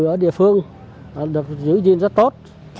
ở địa phương được giữ gìn rất tốt